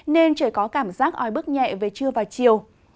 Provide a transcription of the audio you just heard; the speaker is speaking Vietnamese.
nên trời có cảm giác ói bức nhẹ về trưa và chiều